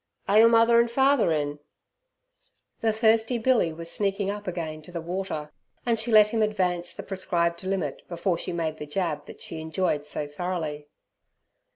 "Are your mother and father in?" The thirsty billy was sneaking up again to the water, and she let him advance the prescribed limit before she made the jab that she enjoyed so thoroughly.